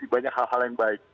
banyak hal hal yang baik